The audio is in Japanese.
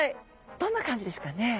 どんな感じですかね？